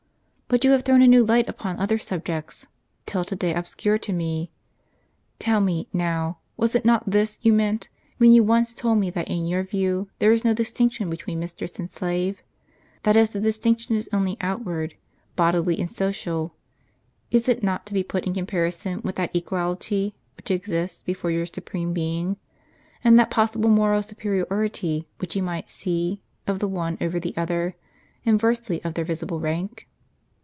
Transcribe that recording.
But you have thrown a new light upon other subjects, till to day obscure to me. Tell me, now, was it not this you meant, when you once told me that in your view there was no distinction between mistress and slave ; that is, that as the distinction is only outward, bodily and social, it is not to be put in comparison with that equal ity which exists before your Supreme Being, and that possible moral superiority which He might see of the one over the other, inversely of their visible rank?